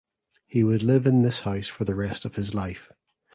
He would live in this house for the rest of his life.